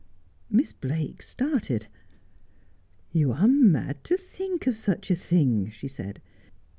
Miss Blake started. ' You are mad to think of such a thing,' she said.